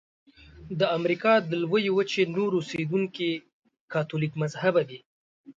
د امریکا د لویې وچې نور اوسیدونکي کاتولیک مذهبه دي.